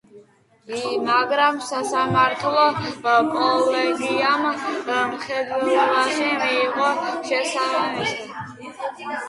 მაგრამ სასამართლო კოლეგიამ მხედველობაში მიიღო შემამსუბუქებელი გარემოებანი და მსჯავრდებულებს პირობითი სასჯელი შეუფარდა.